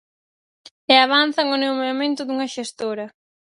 E avanzan o nomeamento dunha xestora.